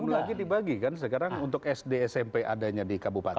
sepuluh lagi dibagi kan sekarang untuk sd smp adanya di kabupaten